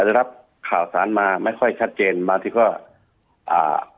ได้รับข่าวสารมาไม่ค่อยชัดเจนบางทีก็อ่า